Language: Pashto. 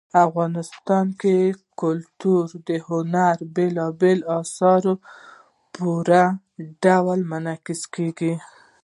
افغانستان کې کلتور د هنر په بېلابېلو اثارو کې په پوره ډول منعکس کېږي.